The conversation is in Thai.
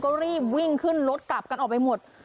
ก็รีบวิ่งขึ้นรถกลับกันออกไปหมด